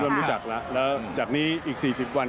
รู้จักแล้วแล้วจากนี้อีก๔๐วัน